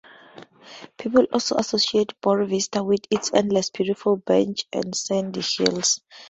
People also associate Boa Vista with its endless beautiful beaches and sand hills.